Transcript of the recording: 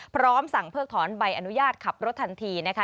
พร้อมสั่งเพิกถอนใบอนุญาตขับรถทันทีนะคะ